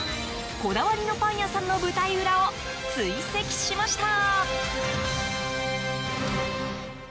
こだわりのパン屋さんの舞台裏を追跡しました。